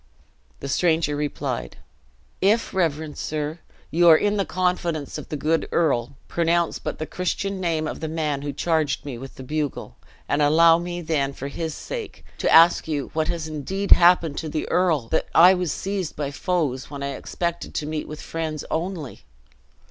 The stranger replied: "If, reverend sir, you are in the confidence of the good earl, pronounce but the Christian name of the man who charged me with the bugle, and allow me, then, for his sake, to ask you what has indeed happened to the earl! that I was seized by foes, when I expected to meet with friends only!